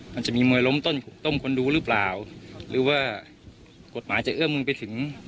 มันจะมีมวยล้มต้มคนดูหรือเปล่าหรือว่ากฎหมายจะเอื้อมมือไปถึง